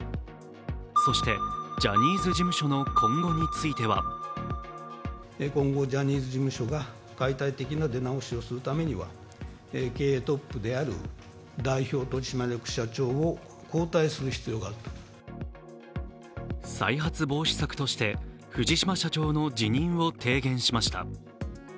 そして、ジャニーズ事務所の今後については再発防止策として藤島社長の辞任を提言しました。